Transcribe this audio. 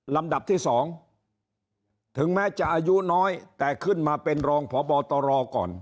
ลำดับที่๒ถึงแม้จะอายุน้อยแต่ขึ้นมาเป็นรองพบตรก่อน